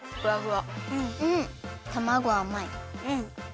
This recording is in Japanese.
たまごあまい。